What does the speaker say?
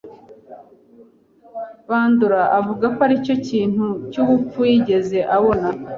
Bandora avuga ko aricyo kintu cyubupfu yigeze abona.